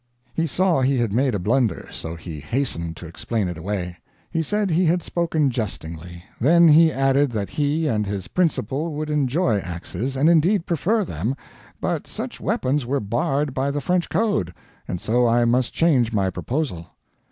He saw he had made a blunder, so he hastened to explain it away. He said he had spoken jestingly. Then he added that he and his principal would enjoy axes, and indeed prefer them, but such weapons were barred by the French code, and so I must change my proposal.